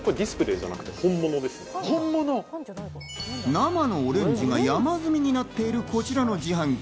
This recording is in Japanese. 生のオレンジが山積みになっている、こちらの自販機。